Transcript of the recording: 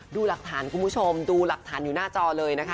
ดูหลักฐานคุณผู้ชมดูหลักฐานอยู่หน้าจอเลยนะคะ